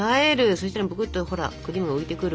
そしたらぷくっとほらクリームが浮いてくる。